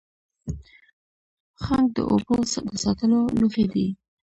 ښانک د اوبو د ساتلو لوښی دی